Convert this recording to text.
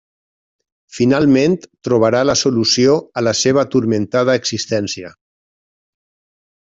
Finalment, trobarà la solució a la seva turmentada existència.